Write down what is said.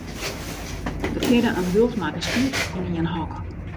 Der kinne in bult makke skiep yn ien hok.